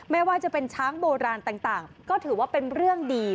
ไม่ว่าจะเป็นช้างโบราณต่างก็ถือว่าเป็นเรื่องดี